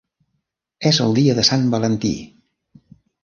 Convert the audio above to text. És el Dia de Sant Valentí!